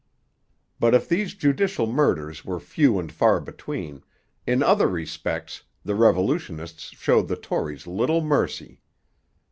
But if these judicial murders were few and far between, in other respects the revolutionists showed the Tories little mercy.